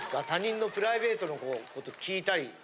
他人のプライベートのこと聞いたり。